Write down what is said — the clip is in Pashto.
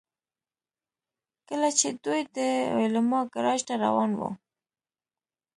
کله چې دوی د ویلما ګراج ته روان وو